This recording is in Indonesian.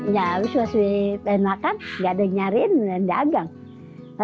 kami harus mencari makan tidak ada yang mencari dan menjaga